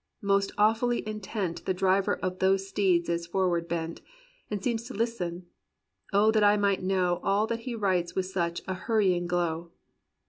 Most awfully intent The driver of those steeds is forward bent. And seems to listen: O that I might know All that he writes with such a hurrying glow.